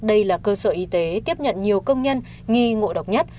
đây là cơ sở y tế tiếp nhận nhiều công nhân nghi ngộ độc nhất